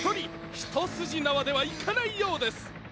一筋縄ではいかないようです。